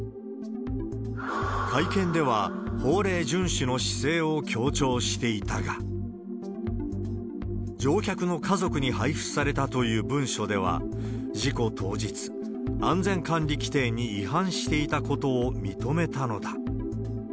会見では、法令順守の姿勢を強調していたが、乗客の家族に配布されたという文書では、事故当日、安全管理規定に違反していたことを認めたのだ。